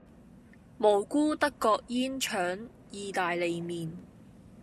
蘑菇德國煙腸義大利麵